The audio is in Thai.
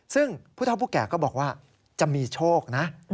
ซึ่งผู้เท่าผู้แก่ก็บอกว่าจะมีโชคนะ